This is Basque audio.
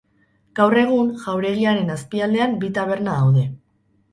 Gaur egun, jauregiaren azpialdean bi taberna daude.